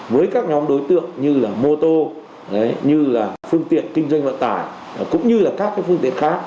với các nhóm đối tượng như là mô tô như là phương tiện kinh doanh vận tải cũng như là các phương tiện khác